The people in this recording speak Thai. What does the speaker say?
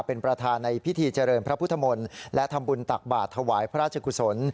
เป็นประธานในพิธีเจริญพระพุทธมนตร์และทำบุญตักบาทถวายพระราชกุศล